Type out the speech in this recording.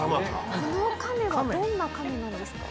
このカメはどんなカメなんですか？